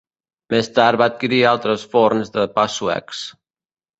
Més tard va adquirir altres forns de pa suecs.